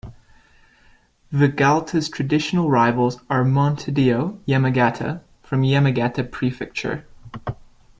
Vegalta's traditional rivals are Montedio Yamagata from Yamagata Prefecture.